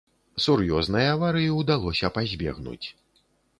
Сур'ёзнай аварыі ўдалося пазбегнуць.